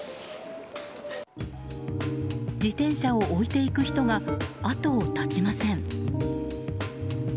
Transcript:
自転車を置いていく人が後を絶ちません。